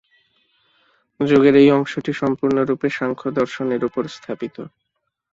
যোগের এই অংশটি সম্পূর্ণরূপে সাংখ্যদর্শনের উপর স্থাপিত।